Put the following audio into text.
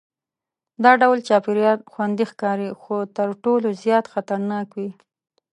دا ډول چاپېریال خوندي ښکاري خو تر ټولو زیات خطرناک وي.